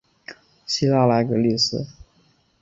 希拉莱格利斯。